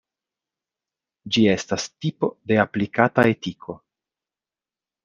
Ĝi estas tipo de aplikata etiko.